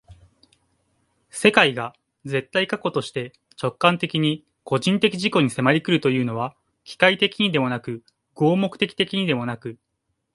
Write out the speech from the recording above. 世界が絶対過去として直観的に個人的自己に迫り来るというのは、機械的にでもなく合目的的にでもなく、